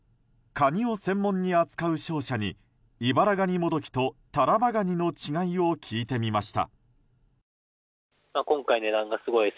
カニを専門に扱う商社にイバラガニモドキとタラバガニの違いを聞いてみました。